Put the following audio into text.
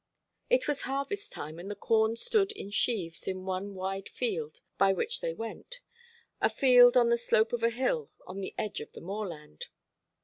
It was harvest time, and the corn stood in sheaves in one wide field by which they went, a field on the slope of a hill on the edge of the moorland.